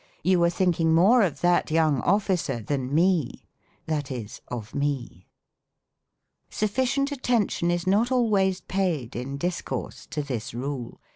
you were thinking more of that young officer than me," that is, "of me." Sufficient attention is not always paid, in discourse, to this rule.